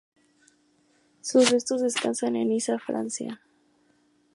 Sus restos descansan en Niza, Francia.